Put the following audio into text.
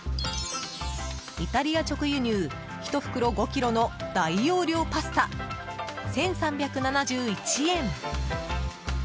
イタリア直輸入、１袋５ｋｇの大容量パスタ１３７１円。